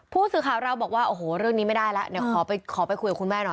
ผู้สื่อข่าวเราบอกว่าโอ้โหเรื่องนี้ไม่ได้แล้ว